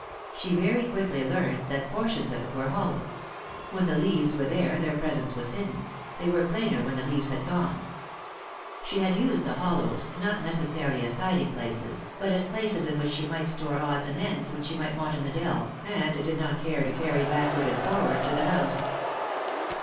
She very quickly learned that portions of it were hollow; when the leaves were there their presence was hidden, they were plainer when the leaves had gone. She had used the hollows, not necessarily as hiding places, but as places in which she might store odds and ends which she might want 73 3i 9 iii^d by Google THE INTERRUPTED KISS in the dell, and did not care to carry backward and forward to the house.